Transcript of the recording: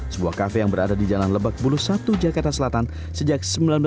sebuah kafe yang berada di jalan lebak bulus satu jakarta selatan sejak seribu sembilan ratus sembilan puluh